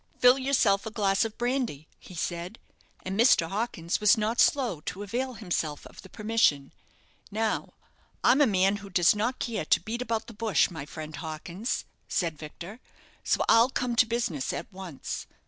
"Fill yourself a glass of brandy," he said. And Mr. Hawkins was not slow to avail himself of the permission. "Now, I'm a man who does not care to beat about the bush, my friend Hawkins," said Victor, "so I'll come to business at once.